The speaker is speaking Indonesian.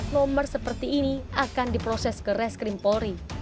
nomor seperti ini akan diproses ke reskrim polri